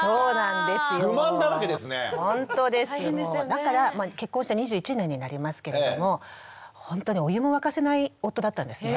だから結婚して２１年になりますけれどもほんとにお湯も沸かせない夫だったんですね。